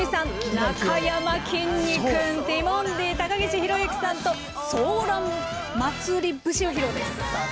なかやまきんに君ティモンディ・高岸宏行さんと「ソーラン祭り節」を披露です。